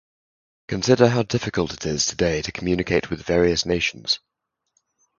Consider how difficult it is today to communicate with various nations.